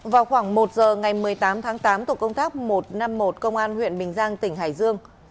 vào khoảng một giờ ngày một mươi tám tháng tám tổ công tác một trăm năm mươi một công an huyện bình giang tỉnh hải dương